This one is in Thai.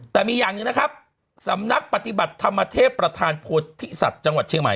แต่มีอย่างหนึ่งนะครับสำนักปฏิบัติธรรมเทพประธานโพธิสัตว์จังหวัดเชียงใหม่